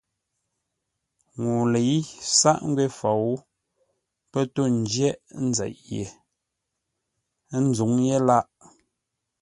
Ŋuu lə̌i sâʼ ngwě fou, pə́ tô ńjə̂ghʼ nzeʼ ye, ə́ nzǔŋ yé lâʼ.